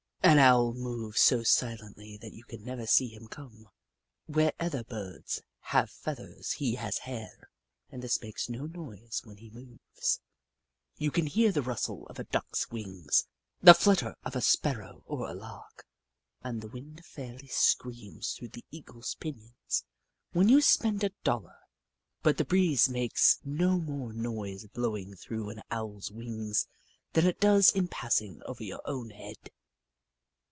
An Owl moves so silently that you can never see him come. Where other Birds have feath ers he has hair, and this makes no noise when he moves. You can hear the rustle of a Duck's wings, the flutter of a Sparrow or a Lark, and the wind fairly screams through the Eagle's pinions when you spend a dollar, but the breeze makes no more noise blowingf through an Owl's wings than it does in passing over your own head.